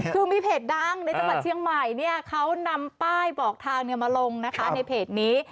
คือมีเพจดังในจังหวัดเชียงใหม่เขานำป้ายบอกทางมาลงนะคะในเพจนี้